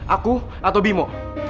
aku atau bimo